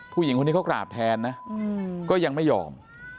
ผู้หญิงคนนี้เขากราบแทนนะก็ยังไม่ยอม